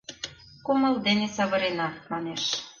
«Кумыл дене савырена» манеш...